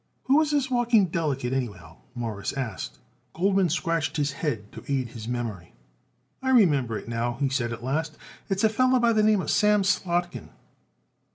"Who is this walking delegate, anyhow?" Morris asked. Goldman scratched his head to aid his memory. "I remember it now," he said at last. "It's a feller by the name Sam Slotkin."